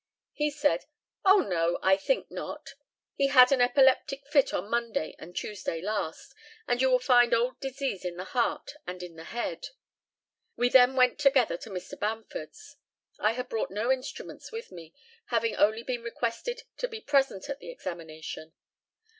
He said, "Oh, no; I think not. He had an epileptic fit on Monday and Tuesday last, and you will find old disease in the heart and in the head." We then went together to Mr. Bamford's. I had brought no instruments with me, having only been requested to be present at the examination.